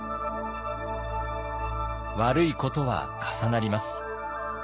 悪いことは重なります。